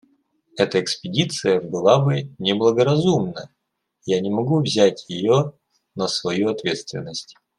Эта экспедиция была бы неблагоразумна; я не могу взять ее на свою ответственность.